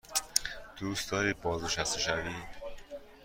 دوست داری بازنشسته شوی؟